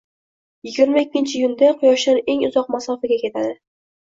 yigirma ikkinchi iyunda Quyoshdan eng uzoq masofaga ketadi.